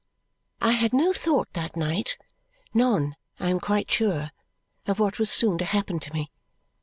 I had no thought that night none, I am quite sure of what was soon to happen to me.